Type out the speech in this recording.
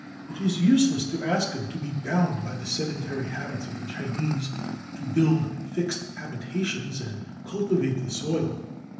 It is useless to ask him to be bound by the sedentary habits of the Chinese, to build fixed habitations, and cultivate the soil.